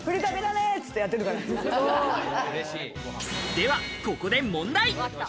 ではここで問題。